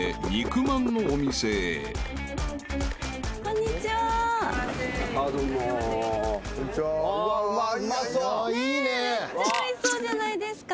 めっちゃおいしそうじゃないですか？